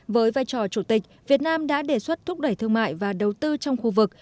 với vai trò chủ tịch việt nam đã đề xuất thúc đẩy thương mại và đầu tư trong khu vực